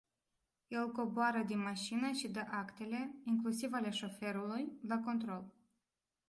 El coboară din mașină și dă actele, inclusiv ale șoferului, la control.